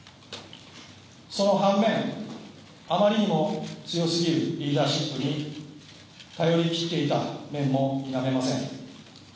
その半面、あまりにも強すぎるリーダーシップに頼り切っていた面も否めません。